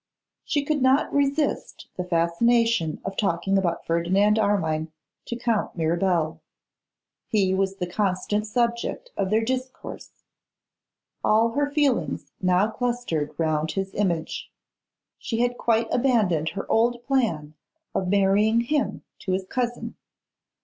She could not resist the fascination of talking about Ferdinand Armine to Count Mirabel. He was the constant subject of their discourse. All her feelings now clustered round his image. She had quite abandoned her old plan of marrying him to his cousin.